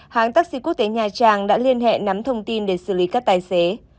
hãng taxi quốc tế nha trang đã liên hệ nắm thông tin để xử lý các tài xế